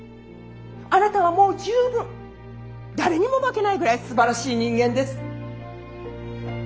あなたはもう十分誰にも負けないぐらいすばらしい人間です。